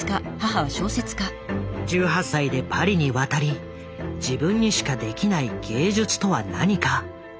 １８歳でパリに渡り自分にしかできない芸術とは何か探し続けた。